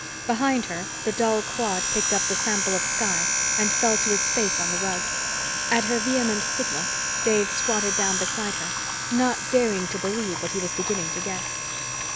Behind her, the dull clod picked up the sample of sky and fell to his face on the rug. At her vehement signal, Dave squatted down beside her, not daring to believe what he was beginning to guess.